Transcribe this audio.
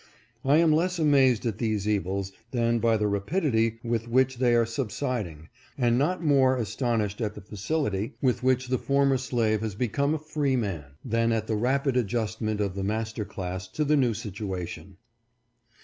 I am less amazed at these evils, than by the rapidity with which they are subsiding, and not more astonished at the facility with which the former slave has 466 INTERVIEW WITH PRESIDENT JOHNSON. become a free man, than at the rapid adjustment of the master class to the new situation.